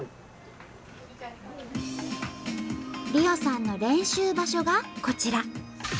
莉緒さんの練習場所がこちら。